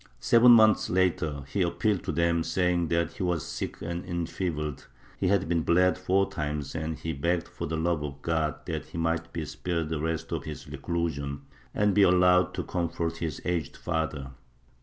Seven months later he appealed to them, saying that he was sick and enfeebled, he had been bled four times and he begged for the love of God that he might be spared the rest of his reclusion and be allowed to comfort his aged father.